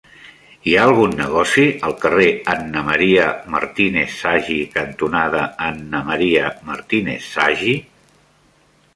Hi ha algun negoci al carrer Anna M. Martínez Sagi cantonada Anna M. Martínez Sagi?